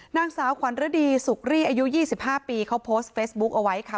นางสาวขวัญฤดีสุกรี่อายุ๒๕ปีเขาโพสต์เฟซบุ๊คเอาไว้ค่ะ